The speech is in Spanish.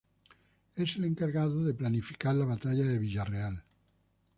Es el encargado de planificar la batalla de Villarreal.